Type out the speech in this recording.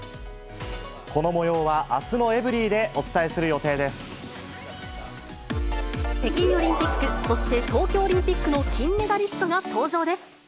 このもようは、あすのエブリ北京オリンピック、そして東京オリンピックの金メダリストが登場です。